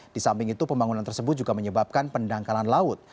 di samping itu pembangunan tersebut juga menyebabkan pendangkalan laut